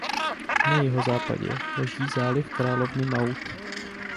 Na jihozápadě leží záliv královny Maud.